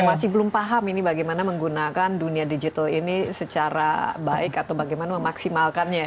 masih belum paham ini bagaimana menggunakan dunia digital ini secara baik atau bagaimana memaksimalkannya ya